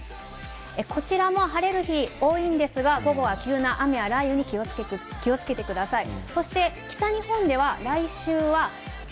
こちらも晴れる日、多いんですが、午後は急な雨や雷雨に気をつけてください。